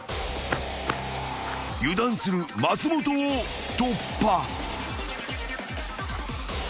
［油断する松本を突破］